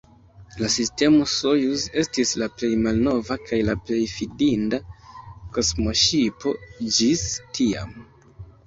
La sistemo Sojuz estis la plej malnova kaj la plej fidinda kosmoŝipo ĝis tiam.